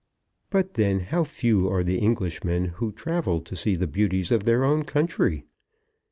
But then how few are the Englishmen who travel to see the beauties of their own country!